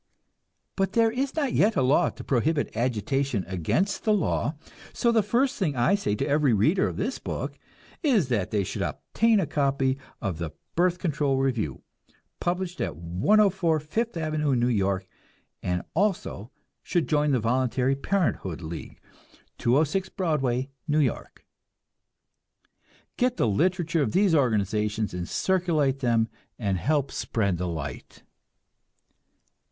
But there is not yet a law to prohibit agitation against the law, so the first thing I say to every reader of this book is that they should obtain a copy of the Birth Control Review, published at 104 Fifth Avenue, New York, and also should join the Voluntary Parenthood League, 206 Broadway, New York. Get the literature of these organizations and circulate them and help spread the light!